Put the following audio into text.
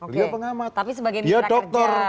lihat pengamat tapi sebagai dokter